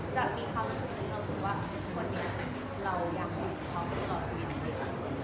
จะมีความรู้สึกว่าคนนี้เรายังอยู่พร้อมกับเราชีวิตสุดท้าย